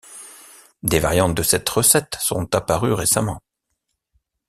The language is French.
Des variantes de cette recette sont apparues récemment.